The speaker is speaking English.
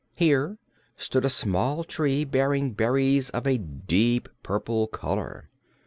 Here stood a small tree bearing berries of a deep purple color.